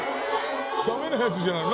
ダメなやつじゃない？